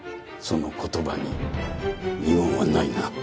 その言葉に二言はないな？